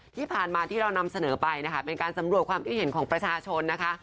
ที่ผ่านมาที่เรานำเสนอไปนะคะเป็นการสำรวจความคิดเห็นของประชาชนนะคะ